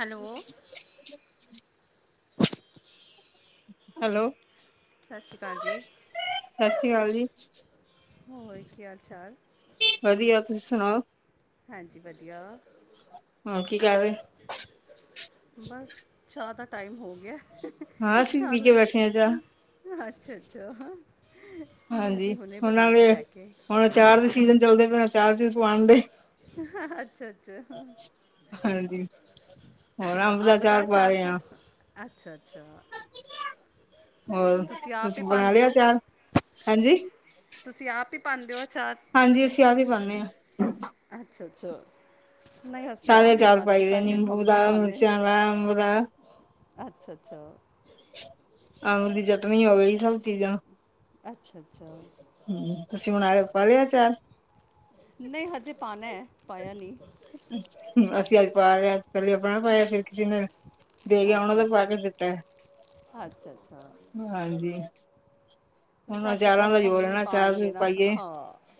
Hello [inaudible] hello ਸਤਿ ਸ਼੍ਰੀ ਅਕਾਲ ਜੀ। ਸਤਿ ਸ੍ਰੀ ਅਕਾਲ ਜੀ ਹੋਰ ਕੀ ਹਾਲ ਚਾਲ? ਵਧੀਆ, ਤੁਸੀਂ ਸੁਣਾਓ। ਹਾਂਜੀ ਵਧੀਆ। ਹਾਂ, ਕੀ ਕਰ ਰਹੇ? ਬਸ ਚਾਹ ਦਾ ਟਾਈਮ ਹੋ ਗਿਆ। ਹਾਂ ਅਸੀਂ ਪੀ ਕੇ ਚੱਲ ਬੈਠੇ ਹਾਂ ਚਾਹ ਅੱਛਾ ਅੱਛਾ। ਮੈਂ ਹਾਂਜੀ ਵੀ ਹੁਣੇ ਉਹਨਾਂ ਬਣਾ ਕੇ ਦੇ ਲੈ ਕੇ ਆਈ। ਹੁਣ ਅਚਾਰ ਦੇ ਸੀਜ਼ਨ ਚੱਲਦੇ ਪੇ। ਅਚਾਰ ਵੀ ਪੁਆਣ ਗੇ। ਅੱਛਾ ਅੱਛਾ। ਹਾਂਜੀ ਕਿੱਦਾਂ ਅੰਬ ਦਾ ਅਚਾਰ ਪਾ। ਅੱਛਾ ਅੱਛਾ ਹੋਰ, ਆਪ ਹੀ ਤੁਸੀਂ ਬਣਾ ਪਾਉਂਦੇ ਲਿਆ ਹੋ ਅਚਾਰ? ਹਾਂਜੀ? ਤੁਸੀਂ ਆਪ ਹੀ ਪਾਂਦੇ ਓ ਅਚਾਰ? ਹਾਂਜੀ ਅਸੀਂ ਆਪ ਹੀ ਵੀ ਪਾਨੇ ਆ। ਅੱਛਾ-ਅੱਛਾ ਨਹੀਂ ਅਸੀਂ ਸਾਰੇ ਆਪ ਨਹੀਂ ਅਚਾਰ ਪਾਂਦੇ ਪਾਈ ਦੇ ਸਾਡੇ ਨਿੰਬੂ ਮੰਮੀ ਦਾ ਪਾਂਦੇ ਨੇ। ਮਿਰਚਾਂ ਦਾ ਅੰਬ ਦਾ ਅੱਛਾ-ਅੱਛਾ। ਆਵਲੇ ਦੀ ਚਟਨੀ ਹੋ ਗਈ ਸਭ ਚੀਜ਼ਾਂ ਅੱਛਾ-ਅੱਛਾ। ਹੂੰ, ਤੁਸੀਂ ਹੁਣ ਆ ਪਾ ਲਿਆ ਅਚਾਰ? ਨਹੀਂ ਹਜੇ ਪਾਣਾ ਐ, ਪਾਇਆ ਨਹੀਂ। ਅਸੀਂ ਅੱਜ ਪਾ ਰਹੇ ਆ ਪਹਿਲੇ ਆਪਣਾ ਪਾਇਆ ਫਿਰ ਕਿਸੇ ਨੇ ਦੇ ਗਿਆ ਉਹਨਾਂ ਦਾ ਪਾ ਕੇ ਦਿੱਤਾ ਐ। ਅੱਛਾ-ਅੱਛਾ ਹਾਂਜੀ ਹੁਣ ਸਾਡੇ ਤਾਂ ਹਜ਼ਾਰਾਂ ਵਾਰੀ ਮੰਮੀ ਬੋਲਣਾ ਪਾਣਗੇ ਅਚਾਰ-ਚੂਰ ਨਾ ਪਾਈਏ। ਹਾਂ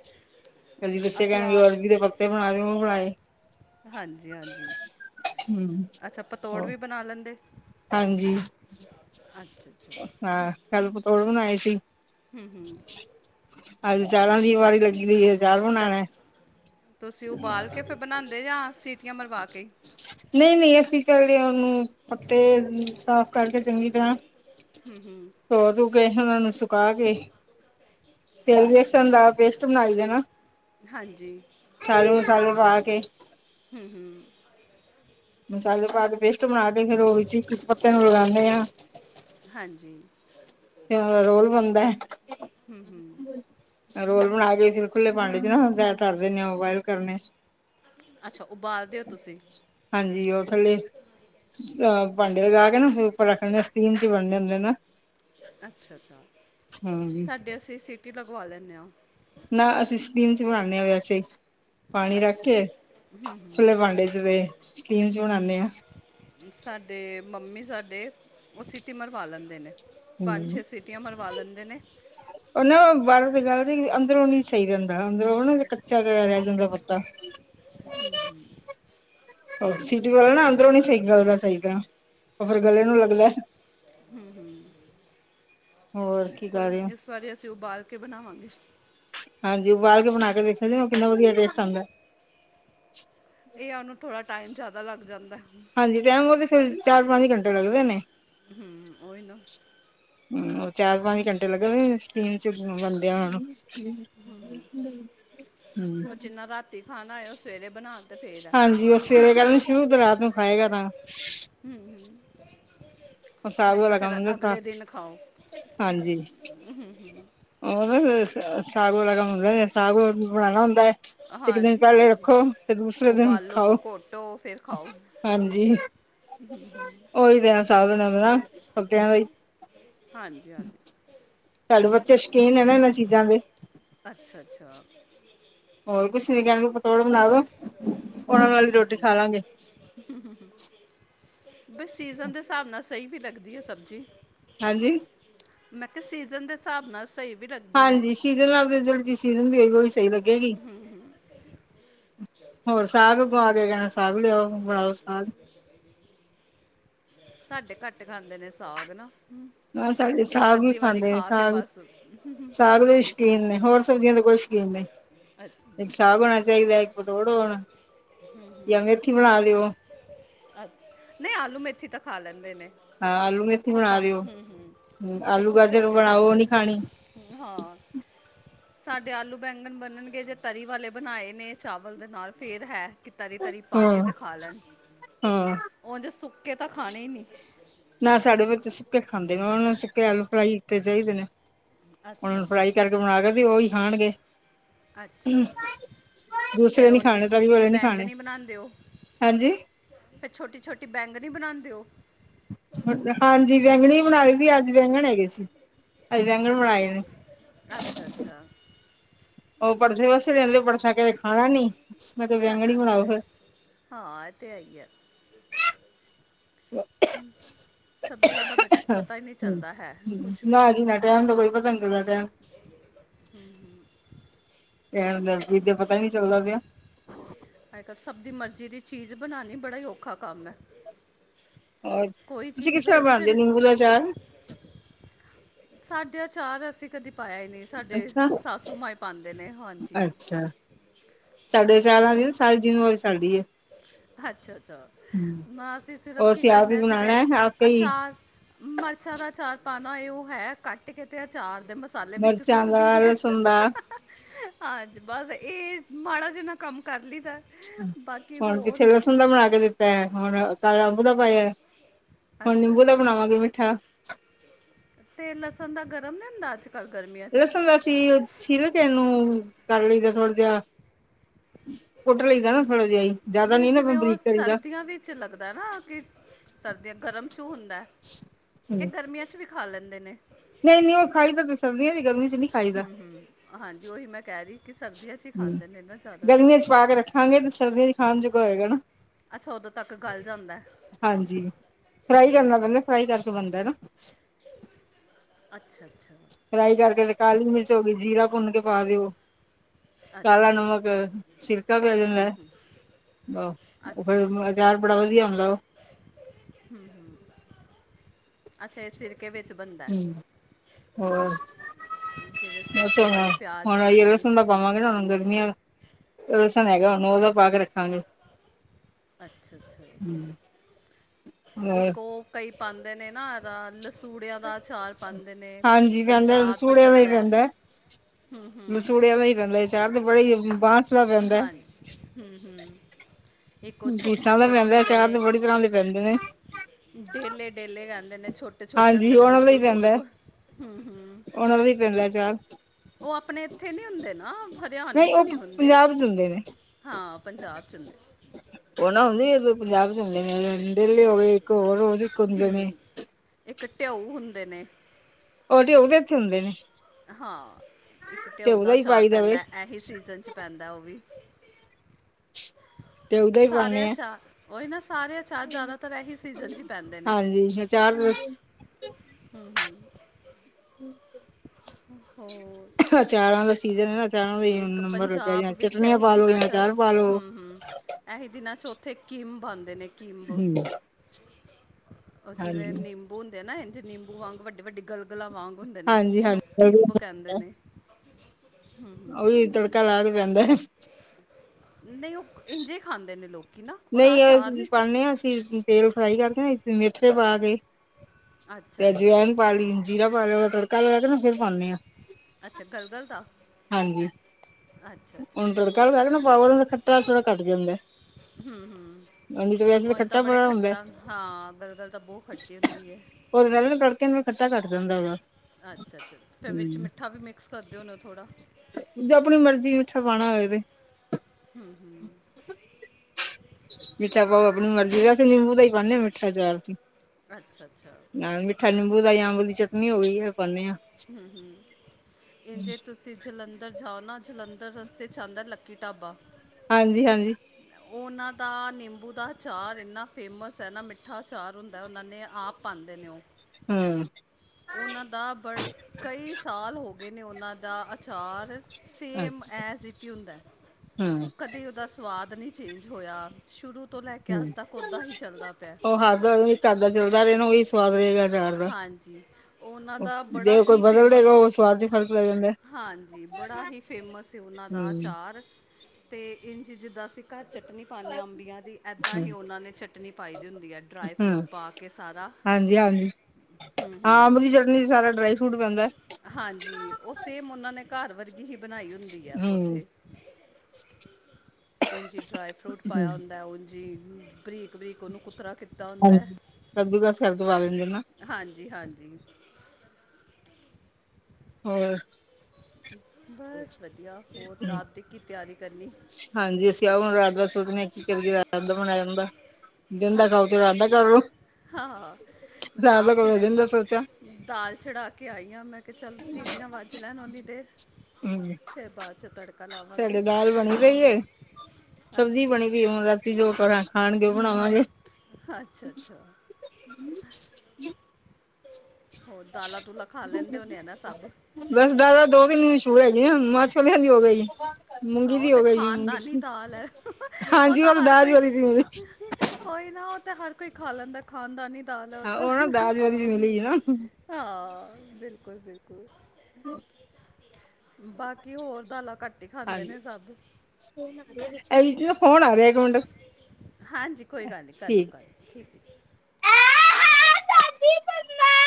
ਕਦੀ ਬੱਚੇ ਅਸੀਂ ਕਹਿਣਗੇ ਅਰਬੀ ਦੇ ਪੱਤੇ ਬਣਾ ਦਿਓ ਉਹ ਬਣਾਏ। ਹਾਂਜੀ-ਹਾਂਜੀ, ਹਮ ਅੱਛਾ ਪਤੌੜ ਹੋਰ ਵੀ ਬਣਾ ਲੈਂਦੇ? ਹਾਂਜੀ। ਅੱਛਾ। ਅੱਛਾ ਹਾਂ ਕੱਲ ਪਤੋੜ ਬਣਾਏ ਸੀ। ਹੂੰ-ਹੂੰ ਅੱਜ ਚਾਰਾਂ ਦੀ ਵਾਰੀ ਲੱਗੀ ਹੋਈ ਏ ਚਾਰ ਤੇ ਬਣਾਣਾ। ਤੁਸੀਂ ਉਬਾਲ ਕੇ ਫਿਰ ਬਣਾਦੇ ਜਾਂ ਸੀਟੀਆਂ ਮਰਵਾ ਕੇ? ਨਹੀਂ-ਨਹੀਂ ਅਸੀਂ ਪਹਿਲੇ ਉਹਨੂੰ, ਪੱਤੇ ਸਾਫ਼ ਕਰਕੇ ਚੰਗੀ ਤਰ੍ਹਾਂ ਹੂੰ-ਹੂੰ। ਧੋ-ਧੂ ਕੇ ਉਹਨਾਂ ਨੂੰ ਸੁਕਾ ਕੇ ਫਿਰ ਅੱਛਾ ਬੇਸਨ ਦਾ ਪੇਸਟ ਬਣਾਈ ਜਾਣਾ। ਹਾਂਜੀ ਮਸਾਲੇ-ਮਸਾਲੇ ਪਾ ਕੇ। ਹੂੰ-ਹੂੰ। ਮਸਾਲੇ ਪਾ ਕੇ ਪੇਸਟ ਬਣਾ ਕੇ ਫੇਰ ਉਹਦੇ ਚ ਕੁਛ ਪੱਤਿਆਂ ਨੂੰ ਲਗਾਨੇ ਆ। ਹਾਂਜੀ। ਫੇਰ ਉਹਨਾਂ ਦਾ ਰੋਲ ਬਣਦਾ। ਹੂੰ-ਹੂੰ। ਰੋਲ ਬਣਾ ਕੇ ਫਿਰ ਖੁੱਲੇ ਭਾਡੇ ਚ ਨਾ ਮੈਂ ਧਰ ਦਿੰਨੀ ਆ ਬੋਆਇਲ ਕਰਨੇ। ਅੱਛਾ ਉਬਾਲਦੇ ਓ ਤੁਸੀਂ? ਹਾਂਜੀ ਉਹ ਥੱਲੇ, ਅ ਭਾਂਡੇ ਲਗਾ ਕੇ ਨਾ ਉੱਪਰ ਰੱਖਣੇ ਸਟੀਮ ਚ ਬਣ ਜਾਂਦੇ ਨੇ ਨਾ। ਅੱਛਾ-ਅੱਛਾ, ਹੂੰ। ਸਾਡੀੇ ਅਸੀਂ ਸੀਟੀ ਲਗਵਾ ਲੈਂਨੇ ਆ। ਨਾ ਅਸੀਂ ਸਟੀਮ 'ਚ ਬਣਾਨੇ ਆ ਵੈਸੇ। ਪਾਣੀ ਰੱਖ ਅੱਛਾ ਕੇ, ਅੱਛਾ ਖੁੱਲੇ ਭਾਂਡੇ 'ਚ ਤੇ ਸਟੀਮ ਚ ਬਣਾਨੇ ਆ। ਸਾਡੇ ਮੰਮੀ ਸਾਡੇ ਉਹ ਸੀਟੀ ਮਰਵਾ ਲੈਂਦੇ ਨੇ। ਹੂੰ। ਪੰਜ-ਛੇ ਸੀਟੀਆਂ ਮਰਵਾ ਲੈਂਦੇ ਨੇ। [unintelligible] ਉਹ ਨਾ ਬਾਹਰ ਤੋ ਗਲ ਜੇਗੀ ਅੰਦਰੋਂ ਨੀ ਸਹੀ ਰਹਿੰਦਾ ਅੰਦਰੋਂ ਨਾ ਕੱਚਾ ਤੇ ਰਹਿ ਜਾਂਦਾ ਪੱਤਾ। ਹੂੰ ਅ ਸੀਟੀ ਵਾਲਾ ਨਾ ਅੰਦਰੋਂ ਨੀ ਸਹੀ ਗਲਦਾ ਸਹੀ ਤਰਾਂ। ਅੱਛਾ-ਅੱਛਾ, ਹੂੰ-ਹੂੰ। ਹੋਰ ਕੀ ਕੋਈ ਕਰ ਨੀ ਰਹੇ ਹੋ ਇਸ ਵਾਰੀ ਅਸੀਂ ਉਬਾਲ ਕੇ ਬਣਾਵਾਂਗੇ। ਹਾਂਜੀ ਉਬਾਲ ਕੇ ਬਣਾ ਕੇ ਦੇਖਿਆ ਜੇ ਕਿੰਨਾ ਵਧੀਆ ਟੇਸਟ ਆਂਦਾ। ਇਹ ਉਹਨੂੰ ਥੋੜ੍ਹਾ ਟਾਈਮ ਜ਼ਿਆਦਾ ਲੱਗ ਜਾਂਦਾ। ਹਾਂਜੀ ਟਾਈਮ ਉਹ ਤੇ ਫਿਰ ਚਾਰ-ਪੰਜ ਘੰਟੇ ਲੱਗਦੇ ਨੇ। ਹੂੰ, ਉਹੀ ਨਾ। ਹੂੰ, ਚਾਰ-ਪੰਜ ਘੰਟੇ ਲੱਗਣਗੇ, ਸਟੀਮ ਚ ਬੰਦਿਆ ਹੋਣ। ਹਮ [inaudible] ਤੇ ਖਾਣਾ ਹੋਇਆ ਉਹ ਸਵੇਰੇ ਬਣਾ ਤੇ ਫੇਰ ਹੈ। ਹਾਂਜੀ ਉਹ ਸਵੇਰੇ ਕਹਿੰਦੇ ਸ਼ੁਰੂ ਤੇ ਰਾਤ ਨੂੰ ਖਾਏਗਾ ਤਾਂ ਹੂੰ। ਸਾਗ ਵਾਲਾ ਕੰਮ ਹੋ ਗਿਆ, ਦਿਨ ਖਾਓ ਹਾਂਜੀ। ਉਹਨਾਂ ਫੇਰ ਸਾਗ ਵਾਲਾ ਕਮੰ ਹੁੰਦਾ, ਸਾਗ ਬਣਾਉਣਾ ਹੁੰਦਾ। ਇੱਕ ਦਿਨ ਹਾਂਜੀ ਪਹਿਲੇ ਹਾਂਜੀ ਰੱਖੋ ਤੇ ਦੂਸਰੇ ਦਿਨ ਉਬਾਲੋ ਖਾਓ, ਘੋਟੋ ਹਾਂਜੀ। ਹੂੰ। ਵਿਆਹ ਸਾਹਿਬ ਦੇ ਨਾਲ, ਸਕਿਆਂ ਦਾ ਹੀ ਹਾਂਜੀ-ਹਾਂਜੀ। ਸਾਡੇ ਬੱਚੇ ਸ਼ੌਕੀਨ ਹੈ ਨਾ ਇਹਨਾਂ ਚੀਜ਼ਾਂ ਦੇ। ਅੱਛਾ-ਅੱਛਾ। ਹੋਰ ਕੁਛ ਨੀ ਕਹਿਣ ਗੇ ਪਤੋੜ ਬਣਾਦੋ ਉਹਨਾਂ ਨਾਲ ਹੀ ਰੋਟੀ ਖਾ ਲਾਂਗੇ। ਬਸ ਸੀਜਨ ਦੇ ਹਿਸਾਬ ਨਾਲ ਸਹੀ ਵੀ ਲੱਗਦੀ ਹੈ ਸਬਜ਼ੀ। ਹਾਂਜੀ। ਮੈਂ ਕਿਹਾ ਸੀਜਨ ਦੇ ਹਿਸਾਬ ਨਾਲ ਸਹੀ ਵੀ ਲੱਗ ਹਾਂਜੀ, ਸੀਜ਼ਨ ਨਾਲ ਦੇ ਜਿਹੜੀ ਚੀਜ਼ ਸੀਜ਼ਨ ਦੀ ਹੋਇਗੀ ਉਹ ਹੀ ਸਹੀ ਲੱਗੇਗੀ। ਹੋਰ ਸਾਗ ਬਵਾ ਦੇ ਕਹਿਣਾ ਸਾਗ ਲਿਆਓ ਬਣਾਓ ਦੋ ਸਾਗ। ਸਾਡੇ ਘੱਟ ਖਾਂਦੇ ਨੇ ਸਾਗ ਨਾ। ਨਾਲ ਸਾਡੇ ਸਾਗ ਵੀ ਇੱਕ-ਅੱਧੀ ਵਾਰੀ ਖਾਂਦੇ ਨੇ ਖਾ ਕੇ ਸਾਗ ਬਸ ਸਾਗ ਦੇ ਸ਼ੌਕੀਨ ਨੇ, ਹੋਰ ਸਬਜ਼ੀਆਂ ਦੇ ਕੋਈ ਸ਼ੌਕੀਨ ਨਹੀ, ਅੱਛਾ ਇੱਕ ਸਾਗ ਹੋਣਾ ਚਾਹੀਦਾ ਇੱਕ ਪਤੋੜੋ ਹੋਣ ਜਾਂ ਮੇਥੀ ਬਣਾ ਲਿਓ। ਅੱਛਾ ਨਹੀਂ, ਆਲੂ ਮੇਥੀ ਤਾਂ ਖਾ ਲੈਂਦੇ ਨੇ। ਹਾਂ ਆਲੂ ਮੇਥੀ ਉਹ ਬਣਾ ਤਾਂ ਲਿਓ ਹੂੰ-ਹੂੰ, ਉਹ ਤੇ ਆਲੂ ਖ਼ੁਸ਼ ਹੋ ਗਾਜਰ ਕੇ ਬਣਾਓ ਉਹ ਖਾਂਦੇ ਨੀ ਨੇ। ਖਾਣੀ ਹਾਂ। ਸਾਡੇ ਆਲੂ ਬੈਂਗਣ ਬਨਣਗੇ ਜੇ ਤਰੀ ਵਾਲੇ ਬਣਾਏ ਨੇ ਚਾਵਲ ਦੇ ਨਾਲ ਫੇਿਰ ਹੈ। ਕਿ ਤਰੀ-ਤਰੀ ਪਾ ਕੇ ਤੇ ਖਾ ਲੈਣ ਹੂੰ। ਉੰਝ ਸੁੱਕੇ ਤਾਂ ਖਾਣੇ ਹੀ ਨਹੀਂ। ਨਾ ਸਾਡੇ ਬੱਚੇ ਸੁੱਕੇ ਖਾਂਦੇ ਨੇ ਉਹਨਾਂ ਨੂੰ ਸੁੱਕੇ ਆਲੂ ਫਰਾਈ ਕੀਤੇ ਚਾਹੀਦੇ ਨੇ। ਅੱਛਾ ਹੁਣ ਅੱਛਾ ਫਰਾਈ ਕਰਕੇ ਬਣਾ ਕੇ ਤੇ ਉਹੀ ਖਾਣਗੇ। ਅੱਛਾ, ਫਿਰ ਦੂਸਰੇ ਨੀ ਉਹ ਖਾਣੇ ਤਰੀ ਨਿੱਕੀ-ਨਿੱਕੀ ਵਾਲੇ ਨੀ ਖਾਣੇ ਬੈਂਗਨੀ ਬਣਾ ਦੇਓ। ਹਾਂਜੀ ਫਿਰ ਛੋਟੀ-ਛੋਟੀ ਬੈਂਗਣੀ ਬਣਾਦੇ ਓ। ਹਾਂਜੀ ਵੈਗਣੀ। ਬਣਾਏ ਵੀ ਅੱਜ ਬੈਂਗਣ ਹੈਗੇ ਸੀ, ਅੱਜ ਬੈਂਗਣ ਅੱਛਾ ਬਨਾਏ ਨੇ। ਅੱਛਾ ਅੱਛਾ। ਉਹ ਭਰਥੇ ਵਸਤੇ ਕਹਿੰਦੇ ਭਰਥਾ ਕੇਦੇ ਖਾਣਾ ਨੀ। ਮੈਂ ਕਿਹਾ ਵੈਂਗਣ ਹੀ ਹਾਂ-ਹਾਂ-ਹਾਂ-ਹਾਂ ਬਣਾਓ ਫਿਰ ਇਹ ਤਾਂ ਹੈ ਹੀ ਹੈ। ਅ ਸਬਜ਼ੀਆਂ ਦਾ ਬਟ- [unintelligible] ਪਤਾ ਹੀ ਨਹੀਂ ਚੱਲਦਾ ਹੈ ਕੁਝ ਨਾ ਵੀ ਜੀ ਨਾ ਟਾਈਮ ਦਾ ਕੋਈ ਪਤਾ ਨਈ ਚਲਦਾ ਟਾਈਮ ਹੂੰ-ਹੂੰ। ਇਹ ਏਵੇ ਲਗਦੀ ਤੇ ਪਤਾ ਹੀ ਨਹੀ ਚੱਲਦਾ ਪਿਆ। ਅੱਜ-ਕੱਲ੍ਹ ਸਭ ਦੀ ਮਰਜ਼ੀ ਦੀ ਚੀਜ਼ ਬਣਾਉਣੀ ਬੜਾ ਹੀ ਔਖਾ ਕੰਮ ਹੈ। ਹੋਰ, ਕੋਈ ਤੁਸੀਂ ਕਿੱਸ ਚੀਜ਼ ਤਰਹਾ ਹੋਏਗੀ ਬਣਾਉਦੇ ਜਿਹੜੀ ਹੋ ਨਿੰਬੂ ਦਾ ਚਾਰ? ਸਾਡੇ ਅਚਾਰ ਅਸੀਂ ਕਦੇ ਪਾਇਆ ਹੀ ਨਹੀਂ ਸਾਡੇ ਅੱਛਾ ਸਾਸੂ ਮਾ ਪਾਉਂਦੇ ਨੇ, ਹਾਂਜੀ। ਅੱਛਾ ਸਾਡੇ ਅਚਾਰਾਂ ਦੀ ਨਾ ਸਾਰੀ ਜਿੰਮੇਵਾਰੀ ਸਾਡੀ ਹੈ। ਅੱਛਾ-ਅੱਛਾ, ਨਾ ਅਸੀਂ ਸਿਰਫ਼ ਉਹ ਕੀ ਅਸੀਂ ਆਪ ਕਰਨੇ ਹੀ ਹਾਂ ਬਣਾਉਣਾ ਜਿਵੇਂ ਹੈ ਆਪੇ ਹੀ ਅਚਾਰ ਮਿਰਚਾਂ ਦਾ ਅਚਾਰ ਪਾਉਣਾ ਇਹ ਹੈ ਕੱਟ ਕੇ ਤੇ ਅਚਾਰ ਦੇ ਮਸਾ ਸਾਲੇ ਵਿੱਚ ਮਿਰਚਾਂ ਸੁਟਦੀ ਦਾ ਰਿਆਂ ਲਸਣ ਦਾ ਹਾਂਜੀ, ਬਸ ਇਹ ਮਾੜਾ ਜਿਨਾ ਕੰਮ ਕਰ ਲਈਦਾ। ਬਾਕੀ ਹੁਣ ਹੋਰ ਕਿੱਥੇ ਨਹੀਂ ਲਸਣ ਦਾ ਬਣਾ ਕੇ ਦਿੱਤਾ, ਹੈ ਹੁਣ ਕਲ ਅੰਬ ਦਾ ਪਾਇਆ। ਹੁਣ ਅੱਛਾ ਨਿੰਬੂ ਦਾ ਅੱਛਾ ਬਣਾਵਾਂਗੇ ਮਿੱਠਾ। ਤੇ ਲਸਣ ਤਾਂ ਗਰਮ ਹੁੰਦਾ ਅੱਜ ਕੱਲ ਗਰਮੀਆਂ। 'ਚ ਲਸਣ ਦਾ ਅਸੀ ਛਿਲ ਕੇ ਏਨੂੰ ਕਰ ਲਈਦਾ ਥੋੜ੍ਹਾ ਜਹਾ ਜ਼ਿਆਦਾ ਨਈ ਨੀ ਨਾ ਜਿਵੇਂ ਉਹ ਬਰੀਕ ਕਰੀਦਾ ਸਰਦੀਆਂ ਵਿੱਚ ਲੱਗਦਾ ਨਾ ਕਿ ਸਰਦੀਆਂ ਗਰਮ ਜੋ ਹੁੰਦਾ ਕਿ ਗਰਮੀਆਂ ਚ ਵੀ ਖਾ ਲੈਂਦੇ ਨੇ। ਨਈ- ਨਈ ਉਹ ਖਾਈ ਤਾਂ ਤੇ ਸਰਦੀਆਂ ਦੀ ਗਰਮੀ ਚ ਨਹੀਂ ਖਾਈਦਾ ਹਮ ਹਮ ਹਾਂਜੀ ਉਹੀ ਮੈਂ ਕਹਿ ਰਹੀ ਕਿ ਸਰਦੀਆਂ ਚ ਹੀ ਖਾਂਦੇ ਨੇ ਨਾ ਜ਼ਿਆਦਾ ਤਰ। ਹਾਂਜੀ, ਇਹ ਤੇ ਸਰਦੀਆਂ ਚ ਖਾਣ ਜੋਗਾ ਹੋਏਗਾ। ਅੱਛਾ ਉਦੋਂ ਤੱਕ ਗਲ ਜਾਂਦਾ ਹੈ। ਹਾਂਜੀ ਫਰਾਈ ਕਰਨਾ ਪੇਲੇ। ਫਰਾਈ ਕਰਕੇ ਬਨਦਾ ਨਾ। ਅੱਛਾ-ਅੱਛਾ। ਫਰਾਈ ਕਰਕੇ ਤੇ ਕਾਲੀ ਮਿਰਚ ਹੋ ਗਈ, ਜੀਰਾ ਭੁੰਨ ਕੇ ਪਾ ਦਿਓ। ਕਾਲਾ ਅੱਛਾ ਨਮਕ, ਸਿਰਕਾ ਵੀ ਪੈ ਜਾਂਦਾ ਏ। ਆਹੋ ਫੇਰ ਆਚਾਰ ਬੜਾ ਵਧੀਆ ਹੁੰਦਾ ਉਹ। ਹੂੰ-ਹੂੰ, ਅੱਛਾ ਇਹ ਸਿ ਕੇ ਵਿੱਚ ਬੰਦਾ ਹੂੰ ਹੋਰ ਜਿਵੇਂ ਬਸ ਸਿਰਕੇ ਹੁਣ ਵਾਲੇ ਪਿਆਜ਼ ਹੁਣ ਇਹ ਪਾਲੀਏ। ਲਸਣ ਦਾ ਪਾਵਾਂਗੇ ਨਾ ਹੁਣ ਗਰਮੀਆਂ ਲਸਣ ਹੈਗਾ ਨ ਉਹਦਾ ਪਾ ਕੇ ਰੱਖਾਂਗੇ। ਅੱਛਾ-ਅੱਛਾ, ਹੋਰ ਇੱਕ ਉਹ ਕਈ ਪਾਂਦੇ ਨੇ ਨਾ ਰਾ ਲਸ ਤੂੜਿਆਂ ਦਾ ਅਚਾਰ ਪਾਂਦੇ ਨੇ ਹਾਂਜੀ ਪੰਜਾਬ ਚ ਚੱਲਦਾ ਐ। ਮਸੂੜਿਆਂ ਦਾ ਈ ਪੇਂਦਾ ਐ ਅਚਾਰ ਤੇ ਬੜੇ ਈ ਬਾਂਚ ਹਾਂਜੀ ਹੂੰ-ਹੂੰ ਇੱਕ ਉਹ ਫੀਸਾਂ ਦਾ ਛੋਟੇ-ਛੋਟੇ ਪੈਂਦਾ ਹੁੰਦੇ ਅਚਾਰ ਨੇ। ਤੇ ਬੜੀ ਤਰ੍ਹਾਂ ਦੇ ਪੈਂਦੇ ਨੇ ਡੇਲੇ-ਡੇਲੇ ਕਹਿੰਦੇ ਨੇ, ਛੋਟੇ-ਛੋਟੇ ਹਾਂਜੀ ਹੁੰਦੇ ਨੇ ਉਹਨਾਂ ਦਾ ਹੀ ਬਿਲਕੁਲ ਪੈਂਦਾ ਗੋਲ-ਗੋਲ ਹੂੰ-ਹੂੰ। ਉਹਨਾਂ ਦਾ ਹੀ ਪੈਂਦਾ ਅਚਾਰ ਉਹ ਆਪਣੇ ਇੱਥੇ ਨੀ ਹੁੰਦੇ ਨਾ ਹਰਿਆਣੇ ਚ ਉਹ ਨਹੀਂ ਹੁੰਦੇ। ਪੰਜਾਬ ਚ ਹੁੰਦੇ ਨੇ ਹਾਂ ਪੰਜਾਬ ਚ ਹੁੰਦੇ। ਉਹ ਨਾ ਹੁੰਦੀ ਪੰਜਾਬ ਚ ਹੁੰਦੇ, ਡੇਲੇ ਹੋਗੇ ਇੱਕ ਹੋਰ ਹੁੰਦੇ ਨੇ ਹੂੰ, ਇੱਕ ਢਿਊ ਹੁੰਦੇ ਨੇ। ਉਹ ਢਿਉ ਤੇ ਇੱਥੇ ਹੁੰਦੇ ਨੇ ਹਾਂ, ਇੱਕ ਢਿਉ ਟਿਊ ਦਾ ਹੀ ਅਚਾਰ ਪਾਈ ਦਵੇ ਪੈਂਦਾ ਐਹੀ ਸੀਜ਼ਨ ਚ ਪੈਂਦਾ ਉਹ ਵੀ ਟਿਊ ਦਾ ਹੀ ਸਾਰਿਆ ਪਾਉਂਦੇ ਆ ਚਾ ਉਹੀ ਨਾ ਸਾਰੇ ਆਚਾਰ ਜ਼ਿਆਦਾਤਰ ਇਹੀ ਸੀਜ਼ਨ ਚ ਹੀ ਪੈਂਦੇ ਨੇ ਹਾਂਜੀ ਅਚਾਰ ਹੂੰ-ਹੂੰ। ਹੂੰ। ਹੋਰ। ਅਚਾਰਾਂ ਦਾ ਸੀਜ਼ਨ ਏ ਨਾ, ਅਚਾਰਾਂ ਦਾ ਇੱਕ ਨੰਬਰ ਪੰਜਾਬ ਲੱਗਾ, ਚਟਨੀਆਂ ਪਾਲੋ ਜਾਂ ਚਾਰ ਪਾ ਲੋ। ਹਮ, ਐਹੀ ਦਿਨਾਂ ਚ ਉੱਥੇ ਕਿਮਬ ਪਾਦੇ ਨੇ ਕਿੰਮਬ ਹਮ ਉਹ ਜਿਵੇਂ ਹਾਂਜੀ ਨਿੰਬੂ ਹੁੰਦੇ ਆ ਨਾ, ਇੰਜ ਨਿੰਬੂ ਵਾਂਗ ਵੱਡੇ ਵੱਡੇ ਗਲਗਲਾਂ ਵਾਂਗ ਹੁੰਦੇ ਨੇ। ਹਾਂਜੀ ਉਹਨੂੰ ਕਿੰਬ ਕਹਿੰਦੇ ਹਾਂਜੀ ਨੇ। ਉਹੀ ਤੜਕਾ ਲਾ ਕੇ ਪੇਂਦਾ। ਨਈ ਉਹ ਇੰਝੇ ਖਾਂਦੇ ਨੇ ਲੋਕ ਨਈ ਅ ਅਸੀਂ ਪਾਹਨੇ ਹਾਂ ਅਸੀਂ ਤੇਲ ਫਰਾਈ ਕਰਕੇ, ਮੇਥੇ ਪਾ ਦੇਈਂ ਅੱਛਾ ਤੇ ਅੱਛਾ ਜਵਾਇਨ ਪਾ ਲਈ ਜੀਰਾ ਪਾ ਲਓ ਤੜਕਾ ਲਗਾ ਕੇ ਨਾ ਫਿਰ ਪਾਂਦੀ ਆ। ਅੱਛਾ, ਗਲਗਲ ਦਾ। ਹਾਂਜੀ। ਅੱਛਾ-ਅੱਛਾ। [inaudible] ਪਾਵਰ ਦਾ ਖਰਚਾ ਥੋੜਾ ਘੱਟ ਜਾਂਦਾ। ਹੂੰ-ਹੂੰ। ਨਹੀਂ ਤਾਂ ਵੈਸੇ ਉਂਜ ਤਾਂ ਖੱਟਾ ਬੜੇ ਬੜਾ ਹੁੰਦਾ ਖੱਟਾ ਹਾਂ ਗੱਲਗੱਲ ਤਾਂ ਬਹੁਤ ਖੱਟੀ ਹੁੰਦੀ ਐ। ਉਹਦੇ ਵੇਲੇ ਤੜਕੇ ਨੂੰ ਖੱਟਾ ਕੱਟ ਦਿੰਦਾ ਵਾ। ਅੱਛਾ-ਅੱਛਾ ਫਿਰ ਵਿੱਚ ਮਿੱਠਾ ਵੀ ਮਿਕਸ ਕਰਦੇ ਹੋਨੇ ਥੋੜਾ। ਜੇ ਆਪਣੀ ਮਰਜ਼ੀ ਏ ਮਿੱਠਾ ਪਾਣਾ ਹੋਏ ਤੇ। ਹੁ-ਹੁ ਮਿੱਠਾ ਪਾਓ ਆਪਣੀ ਮਰਜ਼ੀ ਦਾ ਤੇ ਨਿੰਬੂ ਦਾ ਹੀ ਪਾਨੇ ਹਾਂ ਮਿੱਠਾ ਅਚਾਰ ਜੀ। ਅੱਛਾ-ਅੱਛਾ ਨਿੰਬੂ ਦਾ ਯਾ ਆਮ ਦੀ ਚਟਨੀ ਹੋ ਗਈ। ਪਾਉਂਦੇ ਹਾਂ ਹ-ਹ ਇੰਜੇ ਤੁਸੀ ਜਲੰਧਰ ਜਾਓ ਨਾ ਜਲੰਧਰ ਰਸਤੇ ਚ ਆਂਦਾ ਲੱਕੀ ਢਾਬਾ। ਹਾਂਜੀ-ਹਾਂਜੀ ਉਹਨਾਂ ਦਾ ਨਿੰਬੂ ਦਾ ਅਚਾਰ ਇੰਨਾ ਫੇਮਸ ਹੈ ਨਾ ਮਿੱਠਾ ਅਚਾਰ ਹੁੰਦਾ ਉਹਨਾਂ ਨੇ ਆਪ ਪਾਦੇ ਨੇ ਉਹ। ਹੁ। ਉਹਨਾਂ ਦਾ ਬੜ ਕਈ ਸਾਲ ਹੋ ਗਏ ਨੇ ਉਹਨਾਂ ਦਾ ਆਚਾਰ ਸੇਮ ਅੱਛਾ ਐਜ਼ ਇਟ ਹੁੰਦਾ ਹਮ ਕਦੇ ਉਹਦਾ ਸਵਾਦ ਨੀ ਚੇਂਜ ਹੋਇਆ। ਸ਼ੁਰੂ ਤੋਂ ਲੈ ਕੇ ਅੱਜ ਤੱਕ ਉਦਾਂ ਹੀ ਚੱਲਦਾ ਪਿਆ ਹੁ ਉਹ ਹੈ। ਹਰ ਦਮ ਹੀ ਢਾਬਾ ਚੱਲਦਾ ਰਹੇ ਨਾ ਉਹੀ ਸਵਾਦ ਰਹੇਗਾ ਆਚਾਰ ਦਾ ਹਾਂਜੀ ਉਹਨਾਂ ਦਾ ਬੜਾ ਜੇ ਕੋਈ ਹੀ ਬਦਲਦੇਗਾ ਫੇਮਸ ਉਹ ਸਵਾਦ ਚ ਫ਼ਰਕ ਪੈ ਜਾਂਦਾ। ਹਾਂਜੀ ਬੜਾ ਹੀ ਫੇਮਸ ਸੀ ਉਹਨਾਂ ਦਾ ਹਮ ਅਚਾਰ। ਤੇ ਇੰਝ ਜਿੱਦਾ ਅਸੀ ਘਰ ਚਟਨੀ ਪਾਨੇ ਹਾਂ ਅੰਬੀਆਂ ਦੀ ਇੱਦਾਂ ਹੀ ਹਮ ਉਹਨਾਂ ਨੇ ਚਟਨੀ ਪਾਈ ਦੀ ਹੁੰਦੀ ਹੈ ਡਰਾਈ ਫਰੂਟ ਪਾ ਕੇ ਸਾਰਾ। ਹਾਂਜੀ-ਹਾਂਜੀ ਹੁ-ਹੁ ਸਾਰਾ ਡਰਾਈ ਫਰੂਟ ਪੈਂਦਾ। ਹਾਂਜੀ ਉਹ ਸੇਮ ਉਹਨਾ ਨੇ ਘਰ ਵਰਗੀ ਹੀ ਬਣਾਈ ਹੁੰਦੀ ਹੈ ਹੂੰ ਉਥੇ। ਉੰਝ ਹੀ ਡਰਾਈ ਫਰੂਟ ਪਾਇਆ ਹੁੰਦਾ ਉਂਝ ਹੀ ਬਰੀਕ-ਬਰੀਕ ਉਹਨੂੰ ਕੁਤਰਾ ਕੀਤਾ ਹੁੰਦਾ ਹੈ ਹਾਂਜੀ। ਕੱਦੂਕਸ ਕਰਕੇ ਪਾ ਦਿੰਦੇ ਨਾ ਹਾਂਜੀ-ਹਾਂਜੀ। ਹੋਰ ਬਸ ਵਧੀਆ ਹੋਰ ਰਾਤ ਦੀ ਕੀ ਤਿਆਰੀ ਕਰਨੀ। ਹਾਂਜੀ ਅਸੀਂ ਆਓ ਹ ਰਾਦਾ ਸੋਚਨੇ ਹਾਂ ਕੀ ਕਰੀਏ ਰਾਦਾ [unintelligible] ਦਿਨ ਦਾ ਖਾਓ ਅੱਛਾ ਤੇ ਰਾਤ ਅੱਛਾ ਦਾ ਕਰਲੋ। ਹਾਂ ਮੈਂ ਰਾਤ ਦਾ ਆਪ ਕਰੋ ਤੇ ਹੁਣੇ ਦਿਨ ਦਾ ਸੋਚਾ। ਦਾਲ ਚੜ੍ਹਾ ਕੇ ਆਈ ਹਾਂ ਮੈਂ ਕਿਹਾ ਚੱਲ ਸੀਟੀਆ ਵੱਜ ਲੈਣ ਓਨੀ ਦੇਰ। ਫੇਰ ਬਾਦ ਚ ਤੜ ਸਾਡੀ ਦਾਲ ਬਣੀ ਪਈ ਏ, ਸਬਜ਼ੀ ਅੱਛਾ ਬਣੀ ਪਈ ਏ ਹੁਣ ਰਾ ਤੀ ਜੋ ਕਰਾਂ ਖਾਣਗੇ ਉਹ ਬਣਾਵਾਂਗੇੇ। ਅੱਛਾ-ਅੱਛਾ ਹਮ ਹੋਰ ਦਾਲਾ-ਦੁਲਾ ਖਾ ਲੈਂਦੇ ਹੋਣੇ ਆ ਨਾ ਸਭ। ਬਸ ਦਾਲਾਂ ਦੋ ਦਿਨ ਮਸ਼ਹੂਰ ਹੈਗੀਅਂ ਮਾਂ ਛੋਲਿਆਂ ਦੀ ਹੋ ਗਈ ਹਾਂ ਮੂੰਗੀ ਉਹ ਦੀ ਤੇ ਹੋ ਗਈ ਮੂੰਗੀ ਖਾਨਦਾਨੀ ਦਾਲ ਹੈ ਉਹ ਹਾਂਜੀ ਤਾਂ ਹਰ ਦਾਜ ਕੋਈ ਵਾਲੀ ਸੀ ਮੇਰੀ ਉਹੀ ਨਾ ਉਹ ਤਾਂ ਹਰ ਕੋਈ ਖਾ ਲੈਂਦਾ। ਖਾਨਦਾਨੀ ਦਾਲ ਹੈ ਹਾਂ ਤਾਂ ਉਹ ਨਾ ਦਾਜ ਵਰੀ ਦੀ ਮਿਲੀ ਏ ਨਾ। ਹਾਂ ਬਿਲਕੁਲ-ਬਿਲਕੁਲ ਬਾ ਕੀ ਹੋਰ ਦਾਲਾਂ ਕੱਟ ਹੀ ਖਾਂਦੇ ਨੇ ਸਭ। ਇਹਦੇ ਵਿੱਚ ਨਾ ਫੋਨ ਆ ਰਿਹਾ ਇਕ ਮਿੰਟ। ਹਾਂਜੀ ਕੋਈ ਗੱਲ ਨੀ ਕੱਰ ਲੋ ਠੀਕ ਕਾੱਲ ਠੀਕ-ਠੀਕ। ਦਾਦੀ ਮੰਮਾ